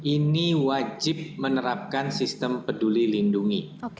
ini wajib menerapkan sistem peduli lindungi